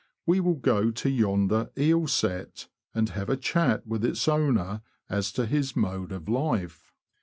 We will go to yonder '^ eel set," and have a chat with its owner as to his mode of life.